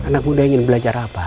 anak muda ingin belajar apa